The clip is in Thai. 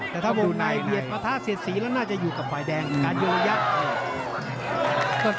แต่ถ้าวงในเบียดประทะเสียดสีแล้วน่าจะอยู่กับฝ่ายแดงการโยงยักษ์